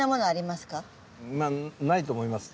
まあないと思います。